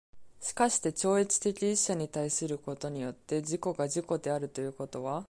しかして超越的一者に対することによって自己が自己であるということは、